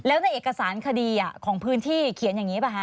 แล้วในเอกสารคดีของพื้นที่เขียนอย่างนี้ป่ะฮ